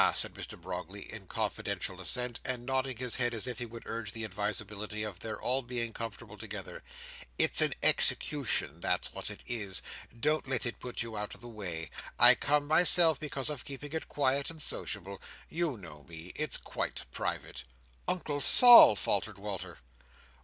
said Mr Brogley, in confidential assent, and nodding his head as if he would urge the advisability of their all being comfortable together. "It's an execution. That's what it is. Don't let it put you out of the way. I come myself, because of keeping it quiet and sociable. You know me. It's quite private." "Uncle Sol!" faltered Walter.